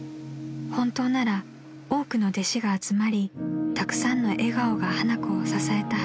［本当なら多くの弟子が集まりたくさんの笑顔が花子を支えたはずが］